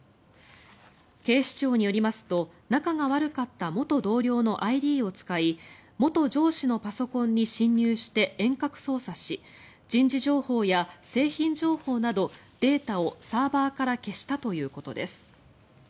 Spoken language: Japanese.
警視庁によりますと仲が悪かった元同僚のＩＤを使い元上司のパソコンに侵入して遠隔操作し人事情報や製品情報などデータをサーバーから消したということです。